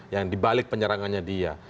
yang dibalik penyerangannya dia